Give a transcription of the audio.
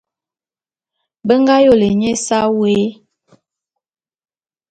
Be ngā yôlé nye ésa wé.